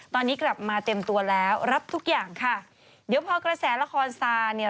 ตอนนี้กลับมาเต็มตัวแล้วรับทุกอย่างค่ะเดี๋ยวพอกระแสละครซาเนี่ย